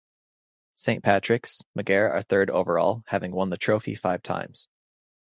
Saint Patrick's, Maghera are third overall, having won the trophy five times.